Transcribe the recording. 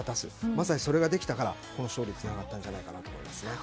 まさにそれができたからこの勝利につながったと思います。